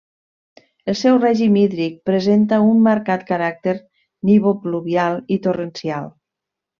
El seu règim hídric presenta un marcat caràcter nivopluvial i torrencial.